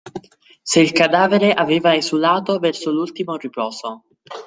Se il cadavere aveva esulato verso l'ultimo riposo.